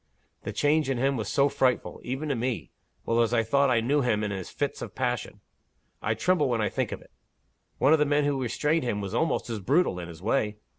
The change in him was so frightful even to me, well as I thought I knew him in his fits of passion I tremble when I think of it. One of the men who had restrained him was almost as brutal, in his way.